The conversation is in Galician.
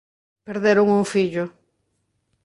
Perderon un fillo